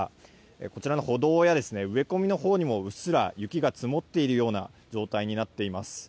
こちらの歩道や植え込みにもうっすら雪が積もっている状況になっています。